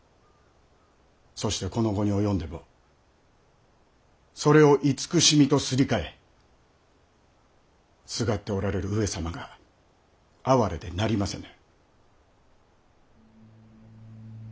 そしてこの期に及んでもそれを慈しみとすり替えすがっておられる上様が哀れでなりませぬ。